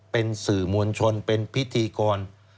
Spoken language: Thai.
เป็นสื่อมวลชนเป็นพิธีกร